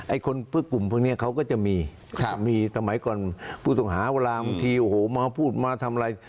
ไอ้คนกลุ่มพวกนี้ก็จะมีมีสมัยก่อนผู้ตรงหาเวลามาพูดมาทำอะไร